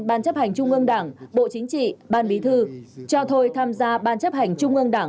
ban chấp hành trung ương đảng bộ chính trị ban bí thư cho thôi tham gia ban chấp hành trung ương đảng